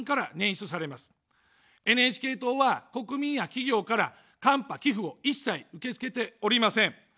ＮＨＫ党は国民や企業からカンパ、寄付を一切受け付けておりません。